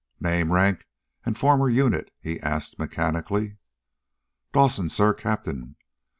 "Name, rank, and former unit?" he asked mechanically. "Dawson, sir. Captain.